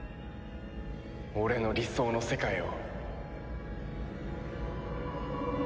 俺の理想の世界を。